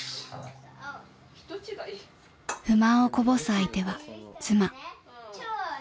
［不満をこぼす相手は妻］